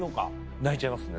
泣いちゃいますね